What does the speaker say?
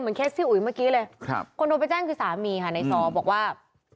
เคสพี่อุ๋ยเมื่อกี้เลยครับคนโทรไปแจ้งคือสามีค่ะในซอบอกว่า